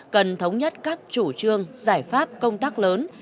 cần thống nhất các chủ trương giải pháp công tác lớn